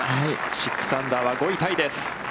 ６アンダーは５位タイです。